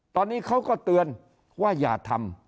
ตอนนี้เขาก็เตือนว่าอย่าทำ